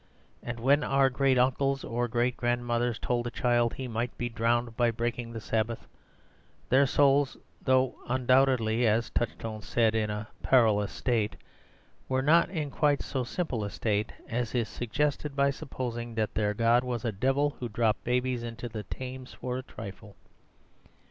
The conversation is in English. And when our great uncles or great grandmothers told a child he might be drowned by breaking the Sabbath, their souls (though undoubtedly, as Touchstone said, in a parlous state) were not in quite so simple a state as is suggested by supposing that their god was a devil who dropped babies into the Thames for a trifle.